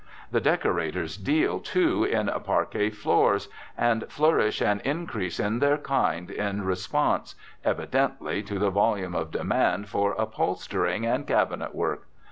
The "decorators" deal, too, in "parquet floors," and flourish and increase in their kind in response, evidently, to the volume of demand for "upholstering" and "cabinet work."